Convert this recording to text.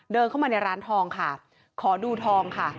เดินเข้ามาในร้านทองค่ะขอดูทองค่ะ